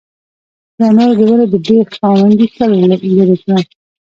د انارو د ونې د بیخ خاوندې کله لرې کړم؟